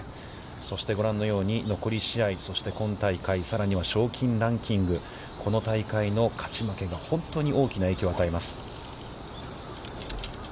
そしてご覧のように、残り試合、そして今大会、さらには賞金ランキング、この大会の勝ち負けが本当に大きな影響を与えます。